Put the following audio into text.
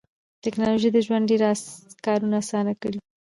ټکنالوژي د ژوند ډېر کارونه اسانه کړي